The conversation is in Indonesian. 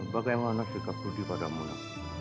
bagaimana sikap rudy pada mama